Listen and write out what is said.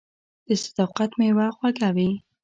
• د صداقت میوه خوږه وي.